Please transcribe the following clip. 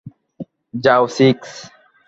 যাও, সিক্স।